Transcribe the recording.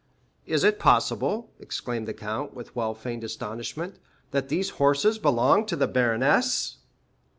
"Is it possible," exclaimed the count with well feigned astonishment, "that these horses belong to the baroness?"